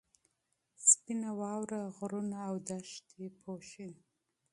سپینه واوره غرونه او دښتې پوښي.